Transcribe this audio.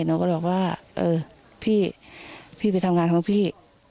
นุกก็บอกว่าพี่ภาคเป็นตามงานของพี่